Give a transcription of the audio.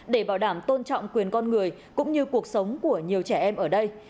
để bảo đảm tôn trọng quyền con người cũng như cuộc sống của nhiều trẻ em ở đây